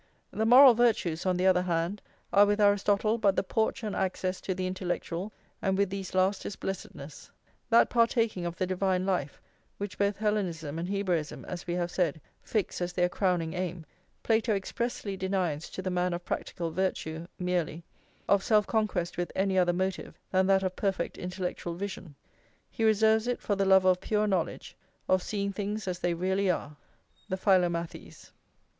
The moral virtues, on the other hand, are with Aristotle but the porch and access to the intellectual, and with these last is blessedness. That partaking of the divine life, which both Hellenism and Hebraism, as we have said, fix as their crowning aim, Plato expressly denies to the man of practical virtue merely, of self conquest with any other motive than that of perfect intellectual vision; he reserves it for the lover of pure knowledge, of seeing things as they really are, the philomathês.